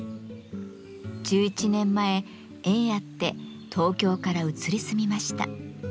１１年前縁あって東京から移り住みました。